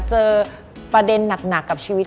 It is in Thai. เจอประเด็นหนักกับชีวิต